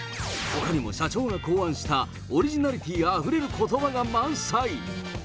ほかにも社長が考案した、オリジナリティーあふれることばが満載。